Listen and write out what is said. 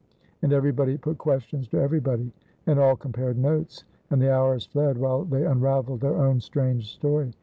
And everybody put questions to everybody, and all compared notes, and the hours fled while they unraveled their own strange story.